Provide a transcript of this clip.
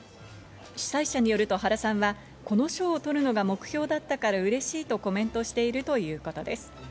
主催者によると、原さんはこの賞を取るのが目標だったから嬉しいとコメントしているということです。